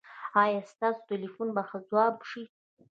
ایا ستاسو ټیلیفون به ځواب شي؟